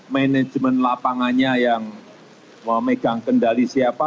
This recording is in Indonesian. manajemen lapangannya yang memegang kendali siapa